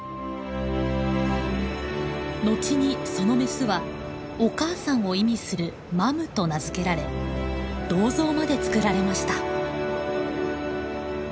後にそのメスはお母さんを意味する「マム」と名付けられ銅像まで作られました。